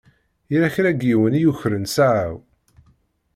Yella kra n yiwen i yukren ssaɛa-w.